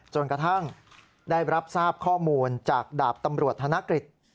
กระทั่งได้รับทราบข้อมูลจากดาบตำรวจธนกฤษ